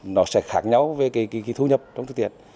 nó sẽ khác nhau với cái thu nhập trong thực tiễn